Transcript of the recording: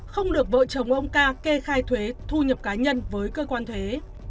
không được vợ chồng ông ca kê khai thuế thu nhập cá nhân với cơ quan thuế